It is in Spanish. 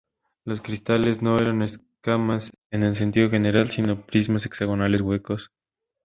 Los cristales no eran escamas en el sentido general, sino prismas hexagonales huecos.